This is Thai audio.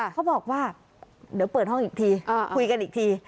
เขาบอกว่าเดี๋ยวเปิดห้องอีกทีคุยกันอีกที